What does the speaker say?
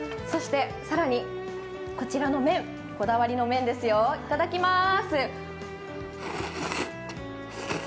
更にこちらの麺、こだわりの麺ですよ、いただきまーす。